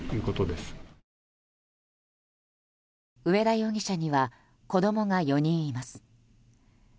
上田容疑者には子供が４人います。